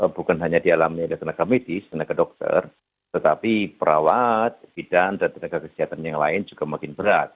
bukan hanya dialami oleh tenaga medis tenaga dokter tetapi perawat bidan dan tenaga kesehatan yang lain juga makin berat